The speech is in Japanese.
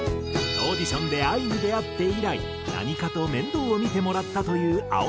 オーディションでＡＩに出会って以来何かと面倒を見てもらったという青山テルマ。